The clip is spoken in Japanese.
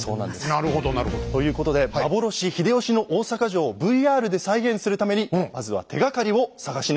なるほどなるほど。ということで幻・秀吉の大坂城をＶＲで再現するためにまずは手がかりを探しに行きました。